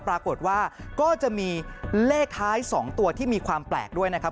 ปรากฏว่าก็จะมีเลขท้าย๒ตัวที่มีความแปลกด้วยนะครับ